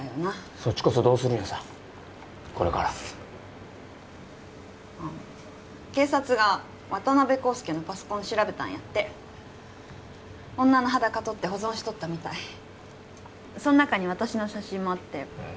そっちこそどうするんやさこれからあっ警察が渡辺康介のパソコン調べたんやって女の裸撮って保存しとったみたいそん中に私の写真もあってえっ？